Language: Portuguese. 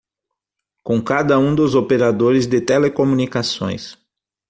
com cada um dos operadores de telecomunicações.